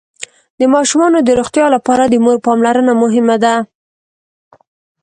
د ماشومانو د روغتيا لپاره د مور پاملرنه مهمه ده.